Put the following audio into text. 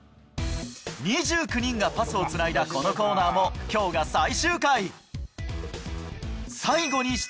２９人がパスをつないだこのコーナーも、きょうが最終回。